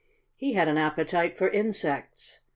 He had an appetite for insects.